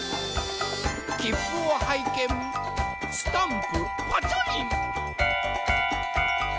きっぷをはいけんスタンプパチョリン。